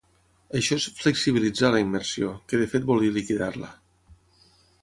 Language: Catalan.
Això és “flexibilitzar” la immersió, que de fet vol dir liquidar-la.